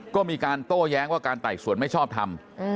ก็มีการโต้แย้งว่าการไต่สวนไม่ชอบทำ